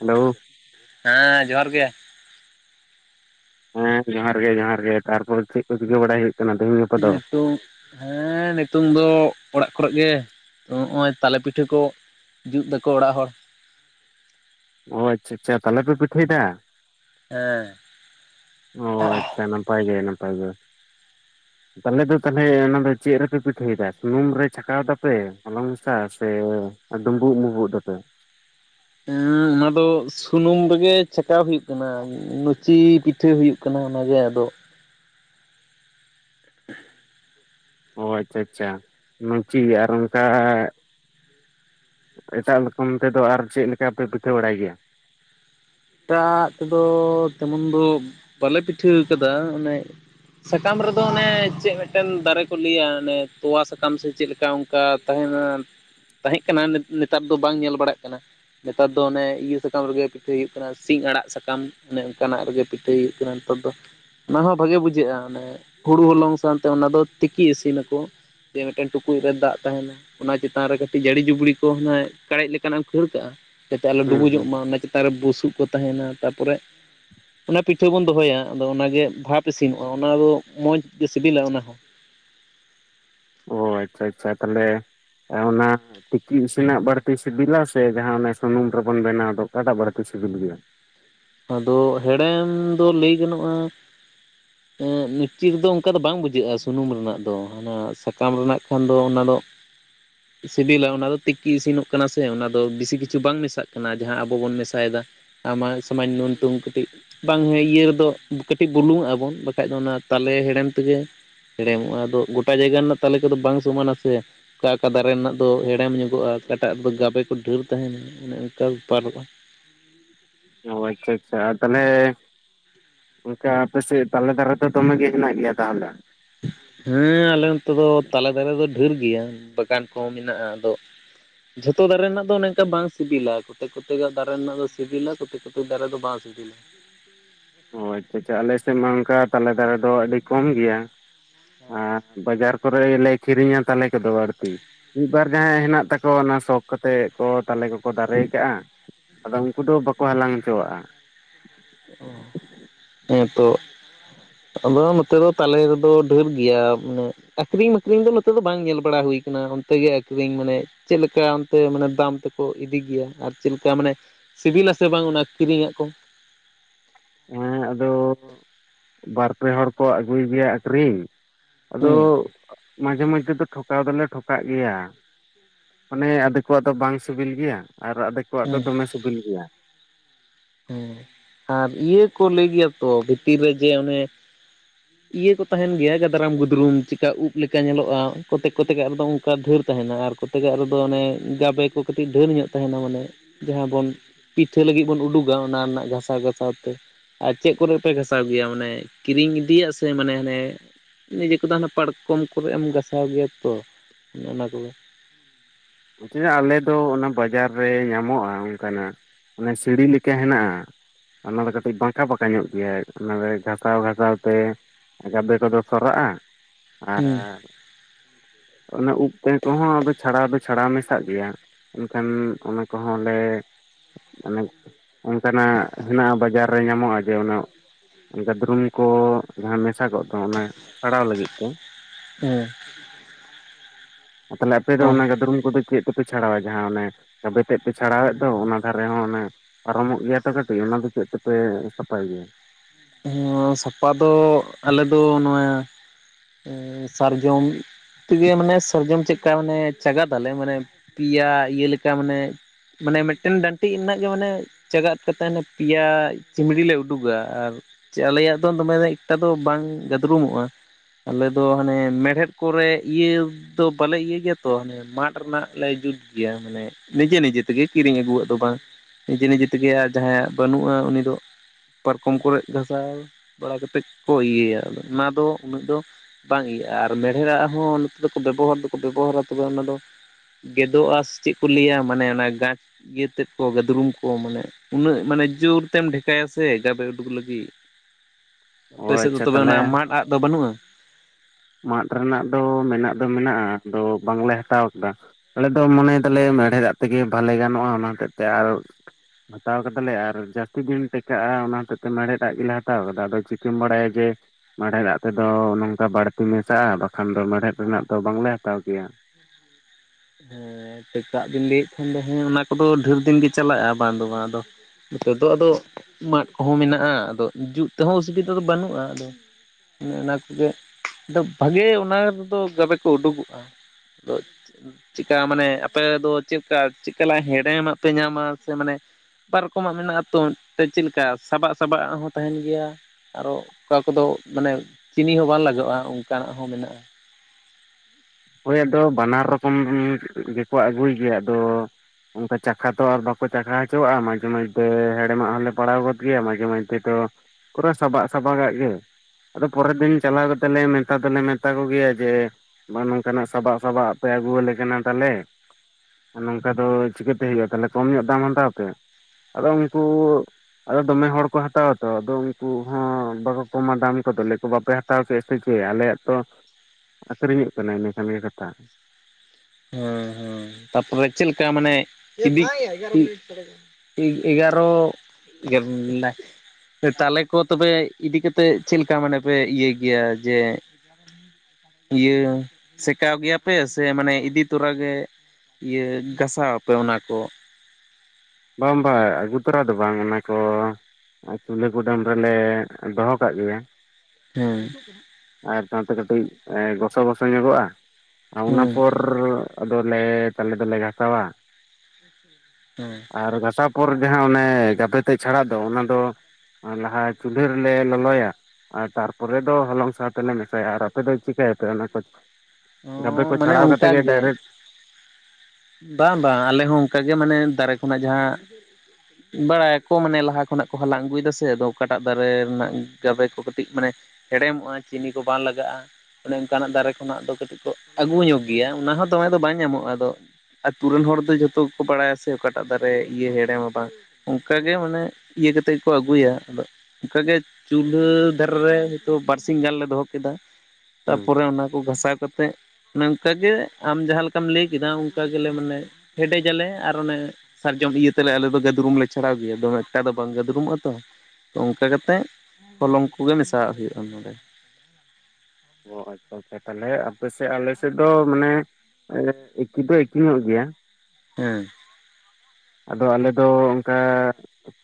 Hello ᱦᱮᱸ ᱡᱚᱦᱟᱨ ᱜᱮ᱾ ᱦᱮᱸ ᱡᱚᱦᱟᱨ ᱜᱮ ᱡᱚᱦᱟᱨ ᱜᱮ ᱛᱟᱨᱯᱚᱨ ᱪᱮᱜ ᱠᱚ ᱪᱤᱠᱟᱹ ᱵᱟᱲᱟᱭ ᱦᱩᱭᱩᱜ ᱠᱟᱱᱟ ᱛᱮᱦᱤᱧ ᱜᱟᱯᱟ ᱫᱚ? ᱮᱱᱮ ᱛᱳ ᱦᱮᱸ ᱱᱤᱛᱳᱝ ᱫᱚ ᱚᱲᱟᱜ ᱠᱚᱨᱮᱜ ᱜᱮ ᱱᱚᱜ-ᱚᱭ ᱛᱟᱞᱮ ᱯᱤᱴᱷᱟᱹ ᱠᱚ ᱡᱩᱜ ᱫᱟᱠᱚ ᱚᱲᱟᱜ ᱦᱚᱲ᱾ ᱚ ᱟᱪᱪᱷᱟ ᱪᱷᱟ ᱛᱟᱞᱮ ᱯᱮ ᱯᱤᱴᱷᱟᱹᱭᱮᱫᱟ? ᱮᱸᱻ ᱚ ᱟᱪᱪᱷᱟ ᱱᱟᱯᱟᱭ ᱜᱮ ᱱᱟᱯᱟᱭ ᱜᱮ ᱛᱟᱞᱮ ᱫᱚ ᱛᱟᱦᱚᱞᱮ ᱚᱱᱟ ᱫᱚ ᱪᱮᱫ ᱨᱮᱯᱮ ᱯᱤᱴᱷᱟᱹᱭ ᱫᱟ ᱥᱩᱱᱩᱢ ᱨᱮ ᱪᱷᱟᱠᱟᱣ ᱫᱟᱯᱮ ᱦᱚᱞᱚᱝ ᱢᱮᱥᱟ? ᱥᱮ ᱰᱩᱢᱵᱩᱜ ᱢᱩᱢᱵᱩᱜ ᱫᱟᱯᱮ ᱦᱮᱸ ᱚᱱᱟ ᱫᱚ ᱥᱩᱱᱩᱢ ᱨᱮᱜᱮ ᱪᱷᱟᱠᱟᱣ ᱦᱩᱭᱩᱜ ᱠᱟᱱᱟ ᱾ ᱞᱩᱪᱤ ᱯᱤᱴᱷᱟᱹ ᱦᱩᱭᱩᱜ ᱠᱟᱱᱟ ᱚᱱᱟ ᱜᱮ ᱟᱫᱚ [unintelligible] ᱚ ᱟᱪᱪᱷᱟ ᱟᱪᱪᱷᱟ ᱞᱩᱪᱤ ᱟᱨ ᱚᱱᱠᱟ ᱮᱴᱟᱜ ᱨᱚᱠᱚᱢ ᱛᱮᱫᱚ ᱟᱨ ᱪᱮᱫ ᱞᱮᱠᱟ ᱯᱮ ᱯᱤᱴᱷᱟᱹ ᱵᱟᱲᱟᱭ ᱜᱮᱭᱟ? ᱮᱴᱟᱜ ᱛᱮᱫᱚ ᱛᱮᱢᱚᱱ ᱫᱚ ᱵᱟᱞᱮ ᱯᱤᱴᱷᱟᱹ ᱟᱠᱟᱫᱟ ᱚᱱᱮ ᱥᱟᱠᱟᱢ ᱨᱮᱫᱚ ᱚᱱᱮ ᱪᱮᱫ ᱢᱤᱫᱴᱮᱱ ᱫᱟᱨᱮ ᱠᱚ ᱞᱟᱹᱭᱟ ᱚᱱᱮ ᱛᱚᱣᱟ ᱥᱟᱠᱟᱢ ᱥᱮ ᱪᱮᱫ ᱞᱮᱠᱟ ᱚᱝ ᱠᱟ ᱛᱟᱦᱮᱱ ᱛᱟᱦᱮᱸ ᱠᱟᱱᱟ ᱱᱮᱛ ᱱᱮᱛᱟᱨ ᱫᱚ ᱵᱟᱝ ᱧᱮᱞ ᱵᱟᱲᱟᱜ ᱠᱟᱱᱟ ᱱᱮᱛᱟᱨ ᱫᱚ ᱚᱱᱮ ᱤᱭᱟᱹ ᱥᱟᱠᱟᱢ ᱨᱮᱜᱮ ᱯᱤᱴᱷᱟᱹ ᱦᱩᱭᱩᱜ ᱠᱟᱱᱟ ᱾ ᱠᱟ ᱥᱤᱧ ᱟᱲᱟᱜ ᱥᱟᱠᱟᱢ ᱚᱱᱮ ᱚᱱᱠᱟᱱᱟᱜ ᱨᱮᱜᱮ ᱯᱤᱴᱷᱟᱹᱭ ᱦᱩᱭᱩᱜ ᱠᱟᱱᱟ ᱱᱮᱛᱟᱨ ᱫᱚ᱾ ᱚᱱᱟ ᱦᱚᱸ ᱵᱷᱟᱜᱮ ᱵᱩᱡᱷᱟᱜ-ᱟ ᱚᱱᱮ ᱦᱩᱲᱩ ᱦᱚᱞᱚᱝ ᱥᱟᱶᱛᱮ ᱚᱱᱟ ᱫᱚ ᱛᱤᱠᱤ ᱤᱥᱤᱱ ᱟᱠᱚ᱾ ᱡᱮ ᱢᱤᱫᱴᱮᱱ ᱴᱩᱠᱩᱡ ᱨᱮ ᱫᱟᱜ ᱛᱟᱦᱮᱱᱟ ᱾ ᱚᱱᱟ ᱪᱮᱛᱟᱱ ᱨᱮ ᱠᱟᱹᱴᱤᱡ ᱡᱟᱹᱲᱤ ᱡᱩᱵᱲᱤ ᱠᱚ ᱦᱟᱱᱟ ᱠᱟᱲᱮᱡ ᱞᱮᱠᱟᱱᱟᱜ ᱮᱢ ᱠᱷᱟᱹᱲ ᱠᱟᱜ-ᱟ ᱾ ᱡᱟᱛᱮ ᱟᱞᱚ ᱦᱩᱸ ᱰᱩᱵᱩᱡᱚᱜ ᱦᱩᱸ ᱢᱟ ᱚᱱᱟ ᱪᱮᱛᱟᱱ ᱨᱮ ᱵᱩᱥᱩᱵ ᱠᱚ ᱛᱟᱦᱮᱱᱟ ᱛᱟᱨᱯᱚᱨᱮ ᱚᱱᱟ ᱯᱤᱴᱷᱟᱹ ᱵᱚᱱ ᱫᱚᱦᱚᱭᱟ ᱟᱫᱚ ᱚᱱᱟ ᱜᱮ ᱵᱷᱟᱵ ᱤᱥᱤᱱᱚᱜ-ᱟ ᱚᱱᱟ ᱫᱚ ᱢᱚᱡᱽ ᱜᱮ ᱥᱤᱵᱤᱞᱟ ᱚᱱᱟ ᱦᱚᱸ ᱚ ᱟᱪᱪᱷᱟ ᱟᱪᱪᱷᱟ ᱛᱟᱦᱟᱞᱮ ᱮ ᱚᱱᱟ ᱛᱤᱠᱤ ᱤᱥᱤᱱᱟᱜ ᱵᱟᱲᱛᱤ ᱥᱤᱵᱤᱞᱟ ᱥᱮ ᱡᱟᱦᱟᱸ ᱥᱩᱱᱩᱢ ᱨᱮᱵᱚᱱ ᱵᱮᱱᱟᱣ ᱫᱚ ᱚᱠᱟᱴᱟᱜ ᱵᱟᱹᱲᱛᱤ ᱥᱤᱵᱤᱞ ᱜᱮᱭᱟ? ᱟᱫᱚ ᱦᱮᱲᱮᱢ ᱫᱚ ᱞᱟᱹᱭ ᱜᱟᱱᱚᱜ-ᱟ᱾ [unintelligible] ᱩᱜ ᱢᱤᱜᱴᱤᱠ ᱫᱚ ᱚᱱᱠᱟ ᱫᱚ ᱵᱟᱝ ᱵᱩᱡᱷᱟᱜ-ᱟ ᱥᱩᱱᱩᱢ ᱨᱮᱱᱟᱜ ᱫᱚ ᱦᱟᱱᱟ ᱥᱟᱠᱟᱢ ᱨᱮᱱᱟᱜ ᱠᱷᱟᱱ ᱫᱚ ᱚᱱᱟ ᱫᱚ [unintelligible] ᱥᱤᱵᱤᱞᱟ ᱚᱱᱟ ᱫᱚ ᱛᱤᱠᱤ ᱤᱥᱤᱱᱚᱜ ᱠᱟᱱᱟ ᱥᱮ ᱚᱱᱟ ᱫᱚ ᱵᱮᱥᱤ ᱠᱤᱪᱷᱩ ᱵᱟᱝ ᱢᱮᱥᱟᱜ ᱠᱟᱱᱟ ᱡᱟᱦᱟᱸ ᱟᱵᱚ ᱵᱚᱱ ᱢᱮᱥᱟ ᱭᱮᱫᱟ ᱾ ᱟᱢᱟᱜ ᱥᱟᱢᱟᱧ ᱱᱩᱝᱴᱩᱝ ᱠᱟᱴᱤᱡ ᱵᱟᱝ ᱦᱮᱸ ᱤᱭᱟᱹ ᱨᱮᱫᱚ ᱠᱟᱹᱴᱤᱡ ᱵᱩᱞᱩᱝ ᱟᱜᱟ ᱵᱚᱱ ᱵᱟᱠᱷᱟᱡ ᱫᱚ ᱚᱱᱟ ᱛᱟᱞᱮ ᱦᱮᱲᱮᱢ ᱛᱮᱜᱮ ᱦᱮᱲᱮᱢᱚᱜ-ᱟ ᱟᱫᱚ ᱜᱚᱴᱟ ᱡᱟᱭᱜᱟ ᱨᱮᱱᱟᱜ ᱛᱟᱞᱮ ᱠᱚᱫᱚ ᱵᱟᱝ ᱥᱚᱢᱟᱱᱟ ᱥᱮ ᱚᱠᱟ ᱚᱠᱟ ᱫᱟᱨᱮ ᱨᱮᱱᱟᱜ ᱫᱚ ᱦᱮᱲᱮᱢ ᱧᱚᱜᱚᱜ-ᱟ ᱚᱠᱟᱴᱟᱜ ᱨᱮᱫᱚ ᱜᱟᱵᱮ ᱠᱚ ᱰᱷᱮᱨ ᱛᱟᱦᱮᱱᱟ ᱚᱱᱮ ᱚᱱᱠᱟ ᱵᱮᱯᱟᱨᱚᱜ-ᱟ ᱾ ᱚᱻ ᱟᱪᱪᱷᱟ ᱟᱪᱪᱷᱟ ᱟᱨ ᱛᱟᱞᱦᱮ? ᱜᱚᱝᱠᱮ ᱟᱯᱮᱥᱮᱫ ᱛᱟᱞᱮ ᱫᱟᱨᱮ ᱫᱚ ᱫᱚᱢᱮ ᱜᱮ ᱦᱮᱱᱟᱜ ᱜᱮᱭᱟ ᱛᱟᱦᱚᱞᱮ? ᱦᱮᱸ ᱟᱞᱮ ᱱᱚᱛᱮ ᱫᱚ ᱛᱟᱞᱮ ᱫᱟᱨᱮ ᱫᱚ ᱰᱷᱮᱨ ᱜᱮᱭᱟ ᱾ ᱵᱟᱜᱟᱱ ᱠᱚ ᱢᱮᱱᱟᱜ-ᱟ ᱟᱫᱚ ᱡᱷᱚᱛᱚ ᱫᱟᱨᱮ ᱨᱮᱱᱟᱜ ᱫᱚ ᱚᱱᱮ ᱚᱝᱠᱟ ᱵᱟᱝ ᱥᱤᱵᱤᱞᱟ ᱠᱚᱛᱮᱠ ᱠᱚᱛᱮᱠ ᱫᱟᱨᱮ ᱨᱮᱱᱟᱜ ᱫᱚ ᱥᱤᱵᱤᱞᱟ ᱠᱚᱛᱮᱠ ᱠᱚᱛᱮᱠ ᱫᱟᱨᱮ ᱫᱚ ᱵᱟᱝ ᱥᱤᱵᱤᱞᱟ ᱚ ᱟᱪᱪᱷᱟ ᱟᱪᱪᱷᱟ ᱟᱞᱮ ᱥᱮᱫ ᱢᱟ ᱚᱱᱠᱟ ᱛᱟᱞᱮ ᱫᱟᱨᱮ ᱫᱚ ᱟᱹᱰᱤ ᱠᱚᱢ ᱜᱮᱭᱟ ᱾ ᱦᱮᱸ ᱵᱟᱡᱟᱨ ᱠᱚᱨᱮ ᱜᱮᱞᱮ ᱠᱤᱨᱤᱧᱟ ᱛᱟᱦᱟ ᱠᱚᱫᱚ ᱟᱨᱲᱛᱤ ᱢᱤᱫ ᱵᱟᱨ ᱡᱟᱦᱟᱭ ᱦᱮᱱᱟᱜ ᱛᱟᱠᱚ ᱚᱱᱟ ᱥᱚᱠ ᱠᱟᱛᱮᱫ ᱠᱚ ᱛᱟᱞᱮ ᱠᱚᱠᱚ ᱫᱟᱨᱮ ᱟᱠᱟᱜ-ᱟ ᱾ ᱟᱫᱚ ᱩᱱᱠᱩ ᱫᱚ ᱵᱟᱠᱚ ᱦᱟᱞᱟᱝ ᱦᱚᱪᱚᱣᱟᱜ-ᱟ ᱾ ᱚᱻ ᱦᱮᱸ ᱛᱚ ᱟᱫᱚ ᱱᱚᱛᱮ ᱫᱚ ᱛᱟᱞᱮ ᱨᱮᱫᱚ ᱰᱷᱮᱨ ᱜᱮᱭᱟ ᱩᱱᱟᱹᱜ ᱟᱠᱷᱨᱤᱧ ᱢᱟᱠᱨᱤᱧ ᱫᱚ ᱱᱚᱛᱮ ᱫᱚ ᱵᱟᱝ ᱧᱮᱞ ᱵᱟᱲᱟ ᱦᱩᱭ ᱠᱟᱱᱟ ᱚᱱᱛᱮ ᱜᱮ ᱟᱠᱷᱨᱤᱧ ᱢᱟᱱᱮ ᱪᱮᱫ ᱞᱮᱠᱟ ᱚᱱᱛᱮ ᱢᱟᱱᱮ ᱫᱟᱢ ᱛᱮᱠᱚ ᱤᱫᱤ ᱜᱮᱭᱟ ᱟᱨ ᱪᱮᱫ ᱞᱮᱠᱟ ᱢᱟᱱᱮ? ᱥᱤᱵᱤᱞ ᱟᱥᱮ ᱵᱟᱝ ᱚᱱᱟ ᱠᱤᱨᱤᱧᱟᱜ ᱠᱚ? ᱦᱮᱸ ᱟᱫᱚ ᱵᱟᱨ, ᱯᱮ ᱦᱚᱲ ᱠᱚ ᱟᱹᱜᱩᱭ ᱜᱮᱭᱟ ᱟᱹᱠᱷᱨᱤᱧ᱾ ᱟᱫᱚ ᱦᱩᱸ ᱢᱟᱡᱷᱮ ᱢᱟᱡᱷᱮ ᱫᱚ ᱴᱷᱚᱠᱟᱣ ᱫᱚᱞᱮ ᱴᱷᱚᱠᱟᱜ ᱜᱮᱭᱟ᱾ ᱢᱟᱱᱮ ᱟᱫᱷᱮᱠ ᱠᱚᱣᱟᱜ ᱫᱚ ᱵᱟᱝ ᱥᱤᱵᱤᱞ ᱜᱮᱭᱟ ᱟᱨ ᱟᱫᱷᱮᱠ ᱠᱚᱣᱟᱜ ᱫᱚ ᱦᱮᱸ ᱫᱚᱢᱮ ᱥᱤᱵᱤᱞ ᱜᱮᱭᱟ᱾ ᱦᱮᱸ ᱟᱨ ᱤᱭᱟᱹ ᱠᱚ ᱞᱟᱹᱭ ᱜᱮᱭᱟ ᱛᱚ ᱵᱷᱤᱛᱤᱨ ᱨᱮ ᱡᱮ ᱚᱱᱮ [inaudible] ᱤᱭᱟᱹ ᱠᱚ ᱛᱟᱦᱮᱱ ᱜᱮᱭᱟ ᱜᱟᱫᱨᱟᱢ ᱜᱩᱫᱽᱨᱩᱢ ᱪᱮᱠᱟ ᱩᱵ ᱞᱮᱠᱟ ᱧᱮᱞᱚᱜ-ᱟ ᱠᱚᱛᱮᱠ ᱠᱚᱛᱮᱠ ᱟᱨᱫᱚ ᱚᱱᱠᱟ ᱫᱷᱟᱹᱨ ᱛᱟᱦᱮᱱᱟ ᱟᱨ ᱠᱚᱛᱮ ᱛᱮᱜᱟᱜ ᱨᱮᱫᱚ ᱚᱱᱮ ᱜᱟᱵᱮ ᱠᱚ ᱠᱟᱹᱴᱤᱡ ᱰᱷᱟᱹᱨ ᱧᱚᱜ ᱛᱟᱦᱮᱱᱟ ᱢᱟᱱᱮ ᱡᱟᱦᱟᱸ ᱵᱚᱱ ᱯᱤᱴᱷᱟᱹ ᱞᱟᱹᱜᱤᱫ ᱵᱚᱱ ᱩᱰᱩᱠ ᱚᱱᱟ ᱨᱮᱱᱟᱜ ᱜᱷᱟᱥᱟᱣ ᱜᱟᱥᱟᱣ ᱛᱮ᱾ ᱟᱨ ᱪᱮᱫ ᱠᱚᱨᱮ ᱯᱮ ᱜᱷᱟᱥᱟᱣ ᱜᱮᱭᱟ ᱢᱟᱱᱮ ᱠᱤᱨᱤᱧ ᱤᱫᱤᱭᱟᱜ ᱥᱮ ᱢᱟᱱᱮ ᱦᱟᱱᱮ? ᱱᱤᱡᱮ ᱠᱚᱫᱚ ᱦᱟᱱᱟ ᱯᱟᱨᱠᱚᱢ ᱠᱚᱨᱮ ᱮᱢ ᱜᱟᱥᱟᱣ ᱜᱮᱭᱟ ᱛᱚ ᱚᱱᱮ ᱚᱱᱟ ᱠᱚᱜᱮ᱾ ᱪᱮᱫᱟᱜ ᱟᱞᱮ ᱫᱚ ᱚᱱᱟ ᱵᱟᱡᱟᱨ ᱨᱮ ᱧᱟᱢᱚᱜ-ᱟ ᱚᱱᱠᱟ ᱱᱟᱜ᱾ ᱚᱱᱮ ᱥᱤᱲᱤ ᱞᱮᱠᱟ ᱦᱮᱱᱟᱜ-ᱟ᱾ ᱚᱱᱟ ᱫᱚ ᱠᱟᱹᱴᱤᱡ ᱵᱟᱸᱠᱟ ᱵᱟᱸᱠᱟ ᱧᱚᱜ ᱜᱮᱭᱟ ᱚᱱᱟ ᱨᱮ ᱜᱷᱟᱥᱟᱣ ᱜᱷᱟᱥᱟᱣ ᱛᱮ ᱜᱟᱵᱮ ᱠᱚᱫᱚ ᱥᱚᱨᱟᱜ-ᱟ᱾ ᱦᱩᱸ ᱟᱨ ᱩᱵ ᱛᱮ ᱠᱚᱦᱚᱸ ᱟᱫᱚ ᱪᱷᱟᱲᱟ ᱫᱚ ᱪᱷᱟᱲᱟ ᱢᱮᱥᱟᱜ ᱜᱮᱭᱟ ᱮᱱᱠᱷᱟᱱ ᱚᱱᱟ ᱠᱚᱦᱚᱸ ᱞᱮ ᱢᱟᱱᱮ ᱚᱱᱠᱟ ᱱᱟᱜ ᱦᱮᱱᱟᱜ-ᱟ ᱵᱟᱡᱟᱨ ᱨᱮ ᱧᱟᱢᱚᱜ-ᱟ ᱡᱮ ᱚᱱᱟ ᱜᱟᱫᱽᱨᱩᱢ ᱠᱚ ᱡᱟᱦᱟᱸ ᱢᱮᱥᱟ ᱠᱚᱜ ᱫᱚ ᱚᱱᱟ ᱪᱷᱟᱲᱟᱣ ᱞᱟᱹᱜᱤᱫ ᱛᱮ᱾ ᱦᱩᱸ᱾ ᱟᱨ ᱛᱟᱦᱚᱞᱮ ᱟᱯᱮ ᱫᱚ ᱚᱱᱟ ᱜᱟᱫᱨᱚᱢ ᱠᱚᱫᱚ ᱪᱮᱫ ᱠᱚ ᱯᱮ ᱪᱷᱟᱲᱟᱣᱟ? ᱡᱟᱦᱟᱸ ᱚᱱᱮ ᱜᱟᱵᱮ ᱛᱮᱫ ᱯᱮ ᱪᱷᱟᱲᱟᱣ ᱮᱫ ᱫᱚ ᱚᱱᱟ ᱫᱷᱟᱨᱮ ᱦᱚᱸ ᱚᱱᱮ ᱯᱟᱨᱚᱢ-ᱚᱜ ᱜᱮᱭᱟ ᱛᱚ ᱠᱟᱹᱴᱤᱡ ᱚᱱᱟ ᱫᱚ ᱪᱮᱫ ᱛᱮᱯᱮ ᱥᱟᱯᱷᱟᱭ ᱜᱮᱭᱟ? ᱚᱸ ᱥᱟᱯᱟ ᱫᱚ ᱟᱞᱮ ᱫᱚ ᱱᱚᱣᱟ ᱮᱸᱻ ᱥᱟᱨᱡᱚᱢ ᱛᱮᱜᱮ ᱢᱟᱱᱮ ᱥᱟᱨᱡᱚᱢ ᱪᱮᱫᱠᱟ ᱢᱟᱱᱮ ᱪᱟᱸᱜᱟᱫ ᱫᱟᱞᱮ ᱢᱟᱱᱮ ᱯᱤᱭᱟ ᱤᱭᱟᱹ ᱞᱮᱠᱟ ᱢᱟᱱᱮ ᱢᱟᱱᱮ ᱢᱤᱫᱴᱮᱱ ᱰᱟᱹᱱᱴᱤᱡ ᱨᱮᱱᱟᱜ ᱜᱮ ᱢᱟᱱᱮ ᱪᱟᱜᱟᱫ ᱠᱟᱛᱮᱫ ᱦᱟᱱᱮ ᱯᱤᱭᱟ ᱪᱤᱢᱲᱤ ᱞᱮ ᱩᱰᱩᱜᱟ ᱟᱨ ᱪᱮ ᱟᱞᱮᱭᱟᱜ ᱫᱚ ᱫᱚᱢᱮ ᱮᱠᱴᱟ ᱫᱚ ᱵᱟᱝ ᱜᱟᱫᱽᱨᱩᱢᱚᱜ-ᱟ᱾ ᱟᱞᱮ ᱫᱚ ᱦᱟᱱᱮ ᱢᱮᱲᱦᱮᱫ ᱠᱚᱨᱮ ᱤᱭᱟᱹ ᱫᱚ ᱵᱟᱞᱮ ᱤᱭᱟᱹ ᱜᱮᱭᱟ ᱛᱚ ᱦᱟᱱᱮ ᱢᱟᱫ ᱨᱮᱱᱟᱜ ᱞᱮ ᱡᱩᱛ ᱜᱮᱭᱟ ᱢᱟᱱᱮ ᱱᱤᱡᱮ ᱱᱤᱡᱮ ᱛᱮᱜᱮ ᱠᱤᱨᱤᱧ ᱟᱹᱜᱩᱣᱟᱜ ᱫᱚ ᱵᱟᱝ᱾ ᱱᱤᱡᱮ ᱱᱤᱡᱮ ᱛᱮᱜᱮ ᱟᱨ ᱡᱟᱦᱟᱸᱭᱟᱜ ᱵᱟᱹᱱᱩᱜ-ᱟ ᱩᱱᱤ ᱫᱚ ᱯᱟᱨᱠᱚᱢ ᱠᱚᱨᱮᱜ᱾ ᱜᱷᱟᱥᱟᱣ ᱵᱟᱲᱟ ᱠᱟᱛᱮᱫ ᱠᱚ ᱤᱭᱟᱹᱭᱟ ᱚᱱᱟ ᱫᱚ ᱩᱱᱟᱹᱜ ᱫᱚ ᱵᱟᱝ ᱤᱭᱟᱹᱜ-ᱟ ᱟᱨ ᱢᱮᱬᱦᱮᱫ ᱟᱜ ᱦᱚᱸ ᱱᱚᱛᱮ ᱫᱚᱠᱚ ᱵᱮᱵᱚᱦᱟᱨ ᱫᱚᱠᱚ ᱵᱮᱵᱚᱦᱟᱨᱟ ᱛᱚᱵᱮ ᱚᱱᱟ ᱫᱚ ᱜᱮᱫᱚᱜ-ᱟ ᱥᱮ ᱪᱮᱫ ᱠᱚ ᱞᱟᱹᱭᱟ, ᱢᱟᱱᱮ ᱚᱱᱟ ᱜᱟᱪ- ᱤᱭᱟᱹ ᱛᱮᱫ ᱠᱚ ᱜᱟᱫᱨᱩᱢ ᱠᱚ ᱢᱟᱱᱮ ᱩᱱᱟᱹᱜ ᱢᱟᱱᱮ ᱡᱳᱨ ᱛᱮᱢ ᱰᱷᱮᱠᱟᱭᱟ ᱥᱮ ᱜᱟᱵᱮ ᱩᱰᱩᱠ ᱞᱟᱹᱜᱤᱫ᱾ ᱡᱤ ᱚ ᱟᱯᱮ ᱥᱮᱫ ᱫᱚ ᱟᱪᱪᱷᱟ ᱛᱚᱵᱮ ᱛᱟᱦᱚᱞᱮ ᱚᱱᱟ ᱢᱟᱫ-ᱟᱜ ᱫᱚ ᱵᱟᱹᱱᱩᱜ-ᱟ? ᱢᱟᱫ ᱨᱮᱱᱟᱜ ᱫᱚ ᱢᱮᱱᱟᱜ ᱫᱚ ᱢᱮᱱᱟᱜ-ᱟ ᱟᱫᱚ ᱵᱟᱝᱞᱮ ᱦᱟᱛᱟᱣ ᱟᱠᱟᱫᱟ᱾ ᱟᱞᱮ ᱫᱚ ᱢᱚᱱᱮ ᱫᱟᱞᱮ ᱢᱮᱬᱦᱮᱫ ᱫᱟᱜ ᱛᱮᱜᱮ ᱵᱷᱟᱹᱞᱮ ᱜᱟᱱᱚᱜ-ᱟ ᱚᱱᱟ ᱦᱚᱛᱮᱜ ᱛᱮ ᱟᱨ ᱦᱟᱛᱟᱣ ᱠᱟᱫᱟᱞᱮ ᱟᱨ ᱡᱟᱹᱥᱛᱤ ᱫᱤᱱ ᱴᱮᱠᱟᱜ-ᱟ ᱚᱱᱟ ᱦᱚᱛᱮᱜ ᱛᱮ ᱢᱮᱬᱦᱮᱫ ᱟᱜ ᱜᱮᱞᱮ ᱦᱟᱛᱟᱣ ᱠᱟᱫᱟ᱾ ᱟᱫᱚ ᱪᱤᱠᱟᱹᱢ ᱵᱟᱲᱟᱭᱟ ᱡᱮ ᱢᱮᱬᱦᱮᱫ ᱟᱜ ᱛᱮᱫᱚ ᱱᱚᱝᱠᱟ ᱵᱟᱹᱲᱛᱤ ᱢᱮᱥᱟᱜ-ᱟ, ᱵᱟᱠᱷᱟᱱ ᱫᱚ ᱢᱮᱬᱦᱮᱫ ᱨᱮᱱᱟᱜ ᱫᱚ ᱵᱟᱝᱞᱮ ᱦᱟᱛᱟᱣ ᱠᱮᱭᱟ᱾ ᱦᱮᱸ ᱴᱮᱠᱟᱜ ᱵᱤᱱ ᱞᱟᱹᱭ ᱮᱫ ᱛᱟᱦᱮᱸ ᱫᱚ ᱦᱮᱸ ᱚᱱᱟ ᱠᱚᱫᱚ ᱰᱷᱮᱨ ᱫᱤᱱ ᱜᱮ ᱪᱟᱞᱟᱜ-ᱟ ᱵᱟᱝ ᱫᱚ ᱵᱟᱝ᱾ ᱟᱫᱚ ᱱᱚᱛᱮ ᱫᱚ ᱟᱫᱚ ᱢᱟᱫ ᱠᱚᱦᱚᱸ ᱢᱮᱱᱟᱜ-ᱟ ᱟᱫᱚ ᱡᱩᱛ ᱛᱮᱦᱚᱸ ᱚᱥᱩᱵᱤᱫᱟ ᱫᱚ ᱵᱟᱹᱱᱩᱜ-ᱟ᱾ ᱟᱫᱚ ᱚᱱᱮ ᱚᱱᱟ ᱠᱚᱜᱮ ᱵᱷᱟᱜᱮ ᱚᱱᱟ ᱨᱮᱫᱚ ᱜᱟᱵᱮ ᱠᱚ ᱩᱰᱩᱠᱚᱜ-ᱟ᱾ [unintelligible] ᱪᱮᱠᱟ ᱢᱟᱱᱮ ᱟᱯᱮ ᱫᱚ ᱪᱮᱫᱠᱟ ᱪᱮᱫ ᱞᱟᱠᱟᱱ ᱦᱮᱲᱮᱢᱟᱜ ᱯᱮ ᱧᱟᱢᱟ ᱥᱮ ᱢᱟᱱᱮ ᱵᱟᱨ ᱨᱚᱠᱚᱢᱟᱜ ᱢᱮᱱᱟᱜᱼᱟ ᱛᱚ ᱢᱤᱴᱮᱡ ᱪᱮᱫ ᱞᱮᱠᱟ ᱥᱟᱵᱟᱜ ᱥᱟᱵᱟᱜ ᱦᱚᱸ ᱛᱟᱦᱮᱱ ᱜᱮᱭᱟ᱾ ᱟᱨᱚ ᱚᱠᱟ ᱠᱚᱫᱚ ᱢᱟᱱᱮ ᱪᱤᱱᱤ ᱦᱚᱸ ᱵᱟᱝ ᱞᱟᱜᱟᱜᱼᱟ ᱚᱱᱠᱟᱱᱟᱜ ᱦᱚᱸ ᱢᱮᱱᱟᱜᱼᱟ᱾ ᱦᱚᱭ ᱟᱫᱚ ᱵᱟᱱᱟᱨ ᱨᱚᱠᱚᱢ ᱜᱮᱠᱚ ᱜᱮᱭᱟ ᱟᱫᱚ ᱚᱱᱠᱟ ᱪᱟᱠᱷᱟ ᱛᱚ ᱟᱨ ᱵᱟᱠᱚ ᱪᱟᱠᱷᱟ ᱦᱚᱪᱚᱣᱟᱜᱼᱟ ᱢᱟᱡᱷᱮ ᱢᱟᱡᱷᱮ ᱦᱮᱲᱮᱢᱟᱜ ᱦᱚᱸᱞᱮ ᱯᱟᱲᱟᱣ ᱜᱚᱫ ᱜᱮᱭᱟ ᱢᱟᱡᱷᱮ ᱢᱟᱡᱷᱮ ᱫᱚ᱾ ᱯᱩᱨᱟᱹ ᱥᱟᱵᱟᱜ ᱥᱟᱵᱟᱜᱟᱜ ᱜᱮ᱾ ᱟᱫᱚ ᱯᱚᱨᱮᱨ ᱫᱤᱱ ᱪᱟᱞᱟᱣ ᱠᱟᱛᱮᱜ ᱞᱮ ᱢᱮᱛᱟ ᱫᱚᱞᱮ ᱢᱮᱛᱟ ᱠᱚᱜᱮᱭᱟ ᱡᱮ ᱢᱟᱱᱩ ᱚᱱᱠᱟᱱᱟᱜ ᱥᱟᱵᱟᱜ ᱥᱟᱵᱟᱜ ᱯᱮ ᱟᱹᱜᱩᱣᱟᱞᱮ ᱠᱟᱱᱟ ᱛᱟᱦᱚᱞᱮ᱾ ᱱᱚᱝᱠᱟ ᱫᱚ ᱪᱤᱠᱟᱹᱛᱮ ᱦᱩᱭᱩᱜᱼᱟ᱾ ᱛᱟᱦᱞᱮ ᱠᱚᱢ ᱧᱚᱜ ᱫᱟᱢ ᱦᱟᱛᱟᱣ ᱯᱮ, ᱟᱫᱚ ᱩᱱᱠᱩ ᱟᱫᱚ ᱫᱚᱢᱮ ᱦᱚᱲ ᱠᱚ ᱦᱟᱛᱟᱣᱟ ᱛᱚ ᱟᱫᱚ ᱩᱱᱠᱩ ᱦᱚᱸ ᱵᱟᱠᱚ ᱠᱚᱢᱟ ᱫᱟᱢ ᱠᱚ ᱛᱚᱞᱮ ᱠᱚ ᱵᱟᱯᱮ ᱦᱟ ᱦᱟᱛᱟᱣ ᱠᱮᱫᱮᱫ ᱥᱮ ᱪᱮᱫ ᱟᱞᱮᱭᱟᱜ ᱛᱚ ᱟᱹᱠᱷᱨᱤᱧᱚᱜ ᱠᱟᱱᱟ ᱤᱱᱟᱹ ᱠᱷᱟᱱ ᱜᱮ ᱠᱟᱛᱷᱟ᱾ ᱦᱩᱸ ᱦᱩᱸ ᱛᱟᱨᱯᱚᱨᱮ ᱪᱮᱫ ᱞᱮᱠᱟ ᱢᱟᱱᱮ [unintelligible] ᱮᱜᱟᱨᱚ [unintelligible] ᱛᱟᱞᱮ ᱠᱚ ᱛᱚᱵᱮ ᱤᱫᱤ ᱠᱟᱛᱮᱜ ᱪᱮᱫ ᱞᱮᱠᱟ ᱢᱟᱱᱮ ᱯᱮ ᱤᱭᱟᱹᱭ ᱜᱮᱭᱟ ᱡᱮ ᱤᱭᱟᱹ ᱥᱮᱸᱠᱟᱣ ᱜᱮᱭᱟᱯᱮ ᱥᱮ ᱢᱟᱱᱮ ᱤᱫᱤ ᱛᱚᱨᱟ ᱜᱮ ᱤᱭᱟᱹ ᱜᱟᱥᱟᱣ ᱟᱯᱮ ᱚᱱᱟ ᱠᱚ᱾ ᱵᱟᱝ ᱵᱟᱝ ᱟᱹᱜᱩ ᱛᱟᱨᱟ ᱫᱚ ᱵᱟᱝ ᱚᱱᱟ ᱠᱚ ᱟᱨ ᱪᱩᱞᱦᱟᱹ ᱠᱩᱰᱟᱹᱢ ᱨᱮᱞᱮ ᱫᱚᱦᱚ ᱠᱟᱜ ᱜᱮᱭᱟ᱾ ᱦᱮᱸ᱾ ᱟᱨ ᱥᱟᱶᱛᱮ ᱠᱟᱹᱴᱤᱡ ᱜᱚᱥᱚ ᱜᱚᱥᱚ ᱧᱚᱜᱚᱜᱼᱟ᱾ ᱟᱨ ᱚᱱᱟ ᱦᱮᱸ ᱯᱚᱨ [unintelligible] ᱟᱫᱚᱞᱮ ᱛᱟᱞᱮ ᱫᱚᱞᱮ ᱜᱷᱟᱥᱟᱣᱼᱟ᱾ [inaudible] ᱦᱩᱸ᱾ ᱟᱨ ᱜᱷᱟᱴᱟᱣ ᱯᱚᱨ ᱡᱟᱦᱟᱸ ᱚᱱᱮ ᱜᱟᱯᱮ ᱛᱮᱫ ᱪᱷᱟᱲᱟᱜ ᱫᱚ ᱚᱱᱟ ᱫᱚ ᱞᱟᱦᱟ ᱪᱩᱞᱦᱟᱹ ᱨᱮᱞᱮ ᱞᱚᱞᱚᱭᱟ᱾ ᱟᱨ ᱛᱟᱨᱯᱚᱨᱮ ᱫᱚ ᱦᱚᱞᱚᱝ ᱥᱟᱶ ᱛᱮᱞᱮ ᱢᱮᱥᱟᱭᱟ᱾ᱟᱨ ᱟᱯᱮ ᱫᱚ ᱪᱤᱠᱟᱹ ᱦᱟᱯᱮ ᱚᱱᱟ ᱠᱚ? ᱚ ᱜᱟᱵᱮ ᱠᱚ ᱢᱟᱱᱮ ᱪᱷᱟᱲᱟᱣ ᱠᱟᱛᱮ ᱜᱮ ᱚᱱᱠᱟᱜᱮ ᱰᱟᱭᱨᱮᱠᱴ ᱵᱟᱝ ᱵᱟᱝ ᱟᱞᱮ ᱦᱚᱸ ᱚᱱᱠᱟᱜᱮ ᱢᱟᱱᱮ ᱫᱟᱨᱮ ᱠᱷᱚᱱᱟᱜ ᱡᱟᱦᱟᱸ ᱵᱟᱲᱟᱭ ᱟᱠᱚ ᱢᱟᱱᱮ ᱞᱟᱦᱟ ᱠᱷᱚᱱᱟᱜ ᱠᱚ ᱦᱟᱞᱟᱝ ᱟᱹᱜᱩᱭᱮᱫᱟ ᱥᱮ ᱟᱫᱚ ᱚᱠᱟᱴᱟᱜ ᱫᱟᱨᱮ ᱨᱮᱱᱟᱜ ᱜᱟᱵᱮ ᱠᱚ ᱠᱟᱹᱴᱤᱡ ᱢᱟᱱᱮ ᱦᱮᱲᱮᱢᱚᱜᱼᱟ, ᱪᱤᱱᱤ ᱠᱚ ᱵᱟᱝ ᱞᱟᱜᱟᱜᱼᱟ᱾ ᱚᱱᱮ ᱚᱱᱠᱟᱱᱟᱜ ᱫᱟᱨᱮ ᱠᱷᱚᱱᱟᱜ ᱫᱚ ᱠᱟᱹᱴᱤᱡ ᱠᱚ ᱟᱹᱜᱩ ᱧᱚᱜ ᱜᱮᱭᱟ ᱚᱱᱟ ᱦᱚᱸ ᱫᱚᱢᱮ ᱫᱚ ᱵᱟᱝ ᱧᱟᱢᱚᱜᱼᱟ ᱟᱫᱚ ᱟᱛᱩ ᱨᱮᱱ ᱦᱚᱲ ᱫᱚ ᱡᱷᱚᱛᱚ ᱜᱮᱠᱚ ᱵᱟᱲᱟᱭᱟ ᱥᱮ ᱚᱠᱟᱴᱟᱜ ᱫᱟᱨᱮ ᱤᱭᱟᱹ ᱦᱮᱲᱮᱢᱟ ᱵᱟᱝ᱾ ᱚᱱᱠᱟᱜᱮ ᱢᱟᱱᱮ ᱤᱭᱟᱹ ᱠᱟᱛᱮᱜ ᱜᱮᱠᱚ ᱟᱹᱜᱩᱭᱟ ᱟᱫᱚ ᱚᱱᱠᱟᱜᱮ ᱪᱩᱞᱦᱟᱹ ᱫᱷᱟᱨᱮ ᱨᱮ ᱦᱚᱭᱛᱚ ᱵᱟᱨᱥᱤᱧ ᱜᱟᱱ ᱞᱮ ᱫᱚᱦᱚ ᱠᱮᱫᱟ᱾ ᱦᱩᱸ ᱛᱟᱯᱚᱨᱮ ᱚᱱᱟ ᱠᱚ ᱜᱷᱟᱥᱟᱣ ᱠᱟᱛᱮᱫ ᱢᱟᱱᱮ ᱚᱝᱠᱟᱜᱮ ᱟᱢ ᱡᱟᱦᱟᱸ ᱞᱮᱠᱟᱢ ᱞᱟᱹᱭ ᱠᱮᱫᱟ ᱚᱱ ᱚᱱᱠᱟ ᱜᱮᱞᱮ ᱢᱟᱱᱮ ᱦᱮᱰᱮᱡᱟᱞᱮ ᱟᱨ ᱚᱱᱮ ᱥᱟᱨᱡᱚᱢ ᱤᱭᱟᱹ ᱛᱮᱞᱮ ᱟᱞᱮ ᱫᱚ ᱜᱟᱫᱽᱨᱩᱢ ᱫᱚᱞᱮ ᱪᱷᱟᱲᱟᱣ ᱜᱮᱭᱟ᱾ ᱫᱚᱢᱮ ᱮᱠᱴᱟ ᱫᱚ ᱵᱟᱝ ᱜᱟᱹᱫᱨᱩᱢᱚᱜ ᱟ ᱛᱚ᱾ ᱛᱚ ᱚᱱᱠᱟ ᱠᱟᱛᱮᱜ ᱦᱚᱞᱚᱝ ᱠᱚᱜᱮ ᱢᱮᱥᱟᱣᱟᱜ ᱦᱩᱭᱩᱜᱼᱟ ᱱᱚᱸᱰᱮ᱾ ᱚ ᱟᱪᱪᱷᱟ ᱛᱟᱦᱞᱮ ᱟᱯᱮᱥᱮᱫ ᱟᱞᱮᱥᱮᱫ ᱫᱚ ᱢᱟᱱᱮ [unintelligible] ᱮᱠᱤᱭ ᱫᱚ ᱮᱠᱤᱭ ᱧᱚᱜ ᱜᱮᱭᱟ᱾ ᱦᱮᱸ᱾ ᱟᱫᱚ ᱟᱞᱮ ᱫᱚ ᱚᱱᱠᱟ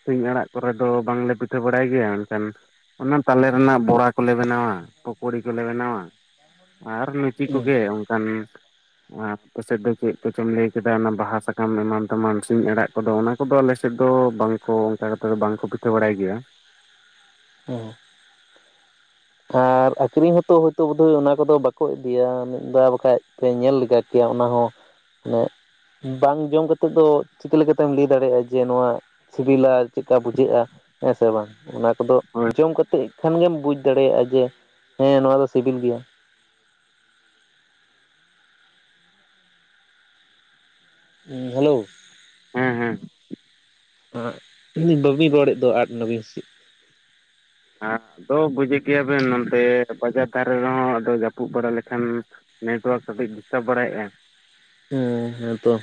ᱥᱤᱧ ᱟᱲᱟᱜ ᱠᱚᱨᱮ ᱫᱚ ᱵᱟᱝᱞᱮ ᱯᱤᱴᱷᱟᱹ ᱵᱟᱲᱟᱭ ᱜᱮᱭᱟ ᱢᱮᱱᱠᱷᱟᱱ ᱚᱱᱟ ᱛᱟᱞᱮ ᱨᱮᱱᱟᱜ ᱵᱚᱲᱟ ᱠᱚᱞᱮ ᱵᱮᱱᱟᱣᱟ᱾ ᱯᱚᱠᱚᱲᱤ ᱠᱚᱞᱮ ᱵᱮᱱᱟᱣᱟ᱾ ᱟᱨ ᱞᱩᱪᱤ ᱦᱮᱸ ᱠᱚᱜᱮ ᱚᱱᱠᱟᱱ᱾ ᱟᱯᱮᱥᱮᱫ ᱫᱚ ᱪᱮᱫ ᱠᱚᱪᱚᱢ ᱞᱟᱹᱭ ᱠᱮᱫᱟ ᱚᱱᱟ ᱵᱟᱦᱟ ᱥᱟᱠᱟᱢ ᱮᱢᱟᱱ ᱛᱮᱢᱟᱱ, ᱥᱤᱧ ᱟᱲᱟᱜ ᱠᱚᱫᱚ ᱚᱱᱟ ᱠᱚᱫᱚ ᱟᱞᱮᱥᱮᱫ ᱫᱚ ᱵᱟᱝᱠᱚ ᱚᱱᱠᱟ ᱠᱟᱛᱮᱫ ᱫᱚ ᱵᱟᱝᱠᱚ ᱯᱤᱴᱷᱟᱹ ᱵᱟᱲᱟᱭ ᱜᱮᱭᱟ᱾ ᱦᱮᱸ, ᱟᱨ ᱟᱠᱷᱨᱤᱧ ᱦᱚᱸᱛᱚ ᱦᱳᱭᱛᱳ ᱵᱳᱫᱷᱚᱭ ᱚᱱᱟ ᱠᱚᱫᱚ ᱵᱟᱠᱚ ᱤᱫᱤᱭᱟ ᱢᱤᱫ ᱫᱷᱟᱣ ᱵᱟᱠᱷᱟᱡ ᱯᱮ ᱧᱮᱞ ᱞᱮᱜᱟ ᱠᱮᱭᱟ ᱚᱱᱟ ᱦᱚᱸ ᱢᱟᱱᱮ, ᱵᱟᱝ ᱡᱚᱢ ᱠᱟᱛᱮᱜ ᱫᱚ ᱪᱤᱠᱟᱹ ᱞᱮᱠᱟᱛᱮᱢ ᱞᱟᱹᱭ ᱫᱟᱲᱮᱭᱟᱜ-ᱟ᱾ ᱡᱮ ᱱᱚᱣᱟ ᱥᱤᱵᱤᱞᱟ ᱪᱮᱫᱠᱟ ᱵᱩᱡᱷᱟᱹᱜ-ᱟ᱾ ᱦᱮᱸ ᱥᱮ ᱵᱟᱝ ᱚᱱᱟ ᱠᱚᱫᱚ ᱦᱳᱭ ᱡᱚᱢ ᱠᱟᱛᱮᱜ ᱠᱷᱟᱱ ᱜᱮᱢ ᱵᱩᱡᱽ ᱫᱟᱲᱮᱭᱟᱜ-ᱟ ᱡᱮ ᱦᱮᱸ ᱱᱚᱣᱟ ᱫᱚ ᱥᱤᱵᱤᱞ ᱜᱮᱭᱟ᱾ ᱦᱮᱞᱳ, ᱦᱮᱸ ᱦᱮᱸ, ᱮᱸ ᱢᱮᱱ ᱫᱟᱹᱧ ᱵᱟᱵᱤᱱ ᱨᱚᱲᱮᱫ ᱫᱚ ᱨᱚᱲᱮᱫ ᱫᱚ ᱟᱫᱽ ᱮᱱᱟᱵᱤᱱ ᱥᱮ ᱪᱮᱫ᱾ ᱟᱫᱚ ᱫᱚ ᱵᱩᱡᱮᱫ ᱜᱮᱭᱟᱵᱤᱱ ᱱᱚᱛᱮ ᱵᱟᱡᱟᱨ ᱫᱷᱟᱨᱮ ᱨᱮᱦᱚᱸ ᱟᱫᱚ ᱡᱟᱹᱯᱩᱫ ᱵᱟᱲᱟ ᱞᱮᱠᱷᱟᱱ ᱱᱮᱴᱣᱟᱨᱠ ᱠᱟᱴᱤᱡ ᱰᱤᱥᱴᱟᱵ ᱵᱟᱲᱟᱭᱮ-ᱟ᱾ ᱦᱮᱸ, ᱦᱮᱸᱛᱚ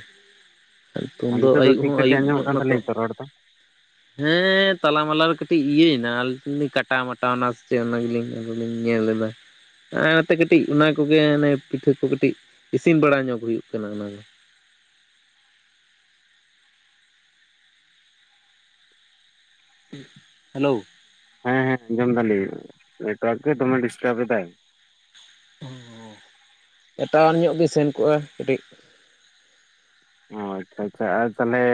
ᱱᱤᱛᱚᱝ ᱟᱨ ᱫᱚ ᱱᱤᱛᱚᱜ ᱟᱹᱭᱩᱵ ᱴᱷᱤᱠ ᱦᱚᱸ ᱴᱷᱟᱠ ᱜᱮ ᱟᱹᱭᱩᱵ ᱟᱸᱡᱚᱢᱚᱜ ᱧᱚᱜ ᱠᱟᱱ ᱱᱟᱛᱚ᱾ ᱛᱟᱹᱞᱤᱧᱟ ᱛᱚ ᱨᱚᱲ ᱫᱚ ᱦᱮᱸ ᱛᱟᱞᱟ ᱢᱟᱞᱟ ᱨᱮ ᱠᱟᱹᱴᱤᱡ ᱤᱭᱟᱹᱭᱮᱱᱟ ᱞᱟᱹᱭ ᱫᱟᱹᱧ ᱠᱟᱴᱟᱣ ᱢᱟᱴᱟᱣ ᱮᱱᱟ ᱥᱮ ᱪᱮᱜ ᱚᱱᱟ ᱜᱮᱞᱤᱧ ᱢᱮᱱ᱾ ᱠᱚ ᱞᱤᱧ ᱧᱮᱞᱮᱫᱟ᱾ ᱟᱨ ᱱᱟᱛᱮ ᱠᱟᱹᱴᱤᱡ ᱚᱱᱟ ᱠᱚᱜᱮ ᱚᱱᱮ ᱯᱤᱴᱷᱟᱹ ᱠᱚ ᱠᱟᱹᱴᱤᱡ ᱤᱥᱤᱱ ᱵᱟᱲᱟ ᱧᱚᱜ ᱦᱩᱭᱩᱜ ᱠᱟᱱᱟ ᱚᱱᱟ ᱠᱚ᱾ ᱦᱮᱞᱳ ᱦᱮᱸ ᱦᱮᱸ ᱟᱸᱡᱚᱢ ᱫᱟᱞᱤᱧ, ᱱᱮᱴᱣᱟᱨᱠ ᱜᱮ ᱫᱚᱢᱮ ᱰᱤᱥᱴᱟᱵ ᱮᱫᱟᱭ᱾ ᱚ ᱦᱚᱸ, ᱴᱟᱣᱟᱨ ᱧᱚᱜ ᱵᱤᱱ ᱥᱮᱱ ᱠᱚᱜ-ᱟ ᱠᱟᱹᱴᱤᱡ᱾ ᱦᱚᱭ ᱟᱪᱪᱷᱟ ᱟᱪᱪᱷᱟ ᱟᱨ ᱛᱟᱦᱚᱞᱮ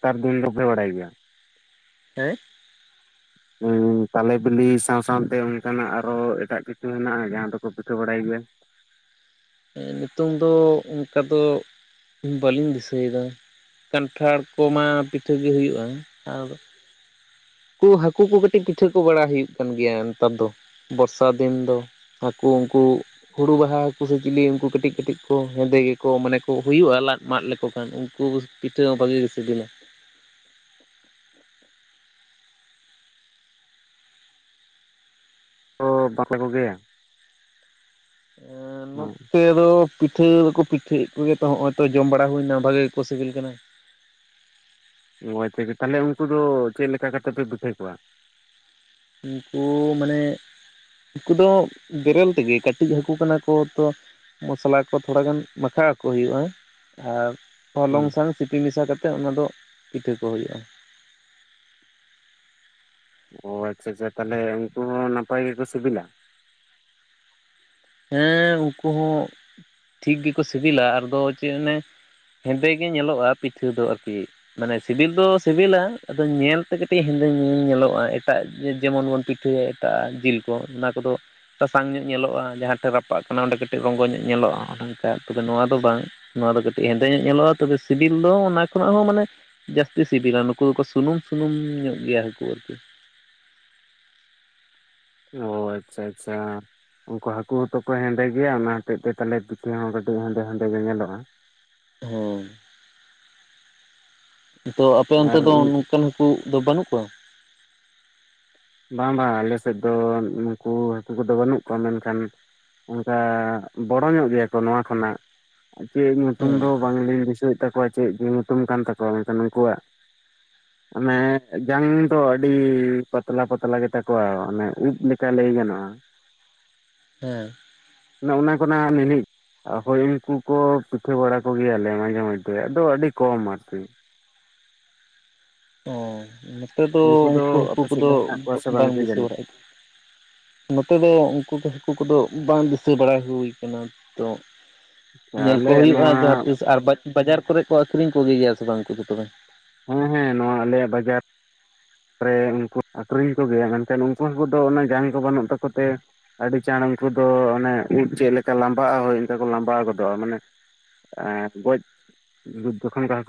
ᱛᱟᱨ ᱫᱤᱱ ᱫᱚ ᱯᱮ ᱵᱟᱲᱟᱭ ᱜᱮᱭᱟ᱾ ᱦᱮᱸ? [unintelligible] ᱛᱟᱞᱮ ᱵᱤᱞᱤ ᱥᱟᱶ ᱥᱟᱶᱛᱮ ᱚᱱᱠᱟᱱᱟᱜ ᱟᱨᱚ ᱮᱴᱟᱜ ᱠᱤᱪᱷᱩ ᱦᱮᱱᱟᱜ-ᱟ ᱡᱟᱦᱟᱸ ᱫᱚᱠᱚ ᱯᱤᱴᱷᱟᱹ ᱵᱟᱲᱟᱭ ᱜᱮᱭᱟ᱾ ᱱᱤᱛᱚᱝ ᱫᱚ ᱚᱱᱠᱟ ᱫᱚ ᱵᱟᱹᱞᱤᱧ ᱫᱤᱥᱟᱹᱭᱮᱫᱟ ᱠᱟᱱᱴᱷᱟᱲ ᱠᱚᱢᱟ ᱯᱤᱴᱷᱟᱹ ᱜᱮ ᱦᱩᱭᱩᱜᱟ, ᱟᱨ ᱠᱩ ᱦᱟᱹᱠᱩ ᱠᱚ ᱠᱟᱹᱴᱤᱡ ᱯᱤᱴᱷᱟᱹ ᱠᱚ ᱵᱟᱲᱟ ᱦᱩᱭᱩᱜ ᱠᱟᱱ ᱜᱮᱭᱟ ᱱᱮᱛᱟᱨ ᱫᱚ ᱵᱚᱨᱥᱟ ᱫᱤᱱ ᱫᱚ᱾ ᱦᱟᱹᱠᱩ ᱩᱱᱠᱩ ᱦᱩᱲᱩ ᱵᱟᱦᱟ ᱦᱟᱹᱠᱩ ᱥᱮ ᱪᱤᱞᱤ ᱩᱱᱠᱩ ᱠᱟᱹᱴᱤᱡ ᱠᱟᱹᱴᱤᱡ ᱠᱚ ᱦᱮᱸᱫᱮ ᱜᱮᱠᱚ ᱢᱟᱱᱮ ᱠᱚ ᱦᱩᱭᱩᱜ-ᱟ ᱞᱟᱫ ᱢᱟᱫ ᱞᱮᱠᱚ ᱠᱷᱟᱱ ᱩᱱᱠᱩ ᱯᱤᱴᱦᱟᱹ ᱦᱚᱸ ᱵᱷᱟᱜᱮ ᱜᱮ ᱥᱤᱵᱤᱞᱟ᱾ ᱛᱚ ᱵᱟᱠᱚ ᱵᱚᱜᱮᱭᱟ, ᱮᱸ ᱱᱚᱛᱮ ᱫᱚ ᱯᱤᱴᱷᱟᱹ ᱫᱚᱠᱚ ᱯᱤᱴᱷᱟᱹᱭᱮᱫ ᱠᱚᱜᱮ ᱛᱚ ᱦᱚᱸᱜ-ᱚᱭ ᱛᱚ ᱡᱚᱢ ᱵᱟᱲᱟ ᱦᱩᱭᱱᱟ ᱵᱷᱟᱜᱮ ᱜᱮᱠᱚ ᱥᱤᱵᱤᱞ ᱠᱟᱱᱟ᱾ ᱦᱚᱭ ᱛᱚᱜᱮ ᱛᱟᱦᱚᱞᱮ ᱩᱱᱠᱩ ᱫᱚ ᱪᱮᱫ ᱞᱮᱠᱟ ᱠᱟᱛᱮ ᱯᱮ ᱯᱤᱴᱷᱟᱹ ᱠᱚᱣᱟ? ᱩᱱᱠᱩ ᱢᱟᱱᱮ ᱩᱱᱠᱩ ᱫᱚ ᱵᱮᱨᱮᱞ ᱛᱮᱜᱮ ᱠᱟᱹᱴᱤᱡ ᱦᱟᱹᱠᱩ ᱠᱟᱱᱟ ᱠᱚ ᱛᱚ ᱢᱚᱥᱞᱟ ᱠᱚ ᱛᱷᱚᱲᱟᱜᱟᱱ ᱢᱟᱠᱷᱟᱣ ᱠᱚ ᱦᱩᱭᱩᱜ-ᱟ, ᱟᱨ ᱦᱩᱸ ᱦᱚᱞᱚᱝ ᱥᱟᱝ ᱥᱤᱯᱤ ᱢᱮᱥᱟ ᱠᱟᱛᱮᱫ ᱚᱱᱟ ᱫᱚ ᱯᱤᱴᱷᱟᱹ ᱠᱚ ᱦᱩᱭᱩᱜᱼᱟ᱾ ᱚ ᱟᱪᱪᱷᱟᱼᱟᱪᱪᱷᱟ ᱛᱟᱦᱚᱞᱮ ᱩᱱᱠᱩ ᱦᱚᱸ ᱱᱟᱯᱟᱭ ᱜᱮᱠᱚ ᱥᱤᱵᱤᱞᱟ᱾ ᱦᱮᱸ ᱩᱱᱠᱩ ᱦᱚᱸ ᱴᱷᱤᱠ ᱜᱮᱠᱚ ᱥᱤᱵᱤᱞᱟ ᱟᱨᱫᱚ ᱪᱮᱫ ᱚᱱᱮ ᱦᱮᱸᱫᱮ ᱜᱮ ᱧᱮᱞᱚᱜᱼᱟ ᱯᱤᱴᱷᱟᱹ ᱫᱚ ᱟᱨᱠᱤ᱾ ᱢᱟᱱᱮ ᱥᱤᱵᱤᱞ ᱫᱚ ᱥᱤᱵᱤᱞᱟ ᱟᱫᱚ ᱧᱮᱞᱛᱮ ᱠᱟᱹᱴᱤᱡ ᱦᱮᱸᱫᱮᱹ ᱧᱚᱜ ᱧᱮᱞᱚᱜᱼᱟ ᱮᱴᱟᱜ ᱡᱮᱢᱚᱱ ᱵᱚᱱ ᱯᱤᱴᱷᱟᱹᱭᱟ᱾ ᱮᱴᱟᱜ-ᱟᱜ ᱡᱤᱞ ᱠᱚ ᱚᱱᱟ ᱠᱚᱫᱚ ᱥᱟᱥᱟᱝ ᱧᱚᱜ ᱧᱮᱞᱚᱜ-ᱟ ᱡᱟᱦᱟᱸ ᱨᱟᱯᱟᱜ ᱠᱟᱱᱟ ᱚᱸᱰᱮ ᱠᱟᱹᱴᱤᱡ ᱨᱚᱝᱜᱚ ᱧᱚᱜ ᱧᱮᱞᱚᱜᱼᱟ ᱚᱱᱠᱟ ᱛᱚᱵᱮ ᱱᱚᱣᱟ ᱫᱚ ᱵᱟᱝ᱾ ᱱᱚᱣᱟ ᱫᱚ ᱠᱟᱹᱴᱤᱡ ᱦᱮᱸᱫᱮ ᱧᱚᱜ ᱧᱮᱞᱚᱜᱼᱟ, ᱛᱚᱵᱮ ᱥᱤᱵᱤᱞ ᱫᱚ ᱚᱱᱟ ᱠᱷᱚᱱᱟᱜ ᱦᱚᱸ ᱢᱟᱱᱮ ᱡᱟᱹᱥᱛᱤ ᱥᱤᱵᱤᱞᱟ ᱱᱩᱠᱩ ᱫᱚᱠᱚ ᱥᱩᱱᱩᱢᱼ ᱥᱩᱱᱩᱢ ᱧᱚᱜ ᱜᱮᱭᱟ ᱦᱟᱹᱠᱩ ᱟᱨᱠᱤ᱾ ᱳ ᱟᱪᱪᱷᱟᱼᱟᱪᱪᱷᱟ᱾ ᱩᱱᱠᱩ ᱦᱟᱹᱠᱩ ᱦᱚᱸᱛᱚ ᱠᱚ ᱦᱮᱸᱫᱮ ᱜᱮᱭᱟ ᱚᱱᱟ ᱦᱚᱛᱮᱡ ᱛᱮ ᱛᱟᱦᱟᱞᱮ ᱯᱤᱴᱦᱟ ᱦᱚᱸ ᱠᱟᱹᱴᱤᱡ ᱦᱮᱸᱫᱮᱼᱦᱮᱸᱫᱮ ᱜᱮ ᱧᱮᱞᱚᱜᱼᱟ᱾ ᱦᱮᱸ ᱱᱤᱛᱚᱜ ᱟᱯᱮ ᱚᱱᱛᱮ ᱟᱨ ᱫᱚ ᱱᱚᱝᱠᱟᱱ ᱦᱟᱹᱠᱩ ᱫᱚ ᱵᱟᱹᱱᱩᱜ ᱠᱚᱣᱟ᱾ ᱵᱟᱝᱼᱵᱟᱝ ᱟᱞᱮ ᱥᱮᱫ ᱫᱚ ᱱᱩᱠᱩ ᱦᱟᱹᱠᱩ ᱠᱚᱫᱚ ᱵᱟᱹᱱᱩᱜ ᱠᱚᱣᱟ ᱢᱮᱱᱠᱷᱟᱱ᱾ ᱚᱱᱠᱟ ᱵᱚᱲᱚ ᱧᱚᱜ ᱜᱮᱭᱟ ᱠᱚ ᱱᱚᱣᱟ ᱠᱷᱚᱱᱟᱜ᱾ ᱪᱮᱫ ᱧᱩᱛᱩᱢ ᱫᱚ ᱦᱮᱸ ᱵᱟᱝᱞᱤᱧ ᱫᱤᱥᱟᱹᱭᱮᱫ ᱛᱟᱠᱚᱣᱟ ᱪᱮᱫ ᱧᱩᱛᱩᱢ ᱠᱟᱱ ᱛᱟᱠᱚᱣᱟ ᱢᱮᱱᱠᱷᱟᱱ ᱩᱱᱠᱩᱣᱟᱜ᱾ ᱢᱟᱱᱮ ᱡᱟᱝ ᱫᱚ ᱟᱹᱰᱤ ᱯᱟᱛᱼᱼ ᱛᱞᱟ ᱯᱟᱛᱞᱟ ᱜᱮ ᱛᱟᱠᱚᱣᱟ ᱚᱱᱮ ᱩᱵ ᱞᱮᱠᱟ ᱞᱮᱭ ᱜᱟᱱᱚᱜᱼᱟ᱾ ᱦᱮᱸ ᱚᱱᱟ ᱚᱱᱟ ᱠᱷᱚᱱᱟᱜ ᱱᱮᱱᱤᱡᱽ᱾ ᱟᱨ ᱦᱳᱭ ᱩᱱᱠᱩ ᱠᱚ ᱯᱤᱴᱷᱟᱹ ᱵᱟᱲᱟ ᱠᱚᱜᱮᱭᱟᱞᱮ ᱢᱟᱡᱷᱮᱢᱚᱫᱷᱮ ᱟᱫᱚ ᱟᱹᱰᱤ ᱠᱚᱢ ᱟᱨᱠᱤ᱾ ᱚ ᱱᱚᱛᱮ ᱫᱚ ᱩᱱᱠᱩ ᱦᱟᱹᱠᱩ ᱟᱯᱮ ᱥᱮᱫ ᱠᱚᱫᱚ ᱫᱚ ᱦᱮᱱᱟᱜ ᱠᱚᱣᱟ ᱥᱮ ᱵᱟᱝ ᱠᱤ ᱫᱤᱥᱟᱹ ᱡᱟᱹᱱᱤᱡ ᱵᱟᱲᱟᱜᱼᱟ ᱠᱚ᱾ ᱱᱚᱛᱮ ᱫᱚ ᱩᱱᱠᱩ ᱦᱟᱹᱠᱩ ᱠᱚᱫᱚ ᱵᱟᱝ ᱫᱤᱥᱟᱹ ᱵᱟᱲᱟ ᱦᱩᱭ ᱟᱠᱟᱱᱟ᱾ ᱛᱚ ᱧᱮᱞ ᱠᱚ ᱟᱞᱮ ᱱᱚᱣᱟ ᱦᱩᱭᱩᱜᱼᱟ ᱡᱟᱦᱟᱸ ᱛᱤᱥ ᱟᱨ ᱵᱟᱡᱟᱨ ᱠᱚᱨᱮ ᱠᱚ ᱟᱹᱠᱷᱨᱤᱧ ᱠᱚᱜᱮ ᱜᱮᱭᱟ ᱥᱮ ᱵᱟᱝ ᱦᱟᱹᱠᱩ ᱫᱚ ᱛᱚᱵᱮ? ᱦᱮᱸ ᱦᱮᱸ ᱱᱚᱣᱟ ᱟᱞᱮᱭᱟᱜ ᱵᱟᱡᱟᱨ ᱨᱮ ᱩᱱᱠᱩ ᱟᱠᱷᱨᱤᱧ ᱠᱚᱜᱮᱭᱟ ᱢᱮᱱᱠᱷᱟᱱ ᱩᱱᱠᱩ ᱦᱟᱹᱠᱩ ᱫᱚ ᱚᱱᱟ ᱡᱟᱝ ᱠᱚ ᱵᱟᱹᱱᱩᱜ ᱛᱟᱠᱚ ᱛᱮ ᱟᱹᱰᱤ ᱪᱟᱬ ᱩᱱᱠᱩ ᱫᱚ ᱢᱟᱱᱮ ᱩᱫᱽ ᱪᱮᱫ ᱞᱮᱠᱟ ᱞᱟᱢᱵᱟᱜᱼᱟ ᱦᱳᱭ ᱚᱱᱠᱟ ᱠᱚ ᱞᱟᱢᱵᱟᱣ ᱜᱚᱫᱚᱜᱼᱟ᱾ ᱢᱟᱱᱮ ᱟᱨ ᱜᱚᱡᱽ ᱡᱚᱠᱷᱚᱱ ᱜᱮ ᱦᱟᱹᱠᱩ